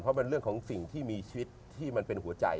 เพราะมันเรื่องของสิ่งที่มีชีวิตที่มันเป็นหัวใจ